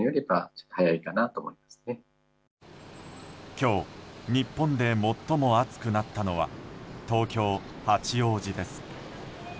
今日、日本で最も暑くなったのは東京・八王子です。